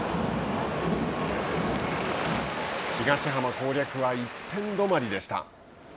東浜攻略は１点どまりでした。